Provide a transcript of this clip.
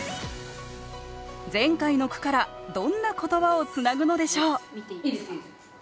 前回の句からどんな言葉をつなぐのでしょう？